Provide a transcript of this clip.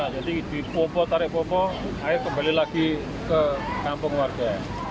jadi di pompo tarik pompo air kembali lagi ke kampung warga